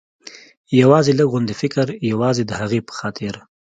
یوازې لږ غوندې فکر، یوازې د هغې په خاطر.